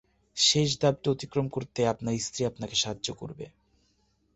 শেষ ধাপটি অতিক্রম করতে আপনার স্ত্রী আপনাকে সাহায্য করবে।